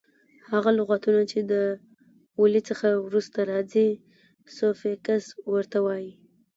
هغه لغتونه چي د ولي څخه وروسته راځي؛ سوفیکس ور ته وایي.